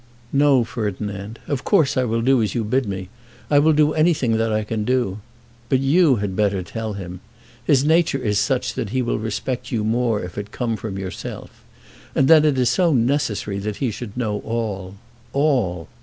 "No, Ferdinand. Of course I will do as you bid me. I will do anything that I can do. But you had better tell him. His nature is such that he will respect you more if it come from yourself. And then it is so necessary that he should know all; all."